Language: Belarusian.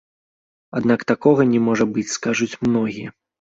Аднак такога не можа быць, скажуць многія.